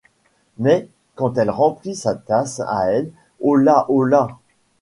Mais quand elle remplit sa tasse à elle, oh la la !